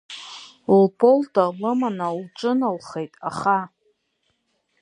Лполта лыманы лҿыналхеит, аха…